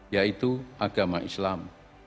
yaitu agama islam